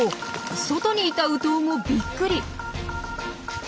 外にいたウトウもびっくり！